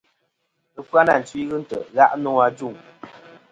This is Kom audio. Ɨfyanatwi ghɨ ntè' gha' nô ajuŋ.